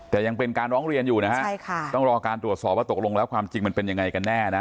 แต่ยังเป็นการร้องเรียนอยู่นะฮะใช่ค่ะต้องรอการตรวจสอบว่าตกลงแล้วความจริงมันเป็นยังไงกันแน่นะ